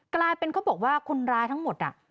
กลายเป็นเขาบอกว่าคนร้ายทั้งหมด